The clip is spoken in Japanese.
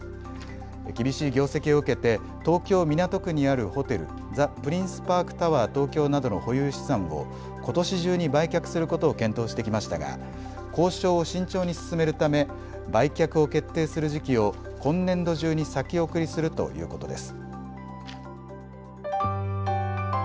厳しい業績を受けて東京港区にあるホテル、ザ・プリンスパークタワー東京などの保有資産をことし中に売却することを検討してきましたが交渉を慎重に進めるため売却を決定する時期を今年度中に先送りするということです。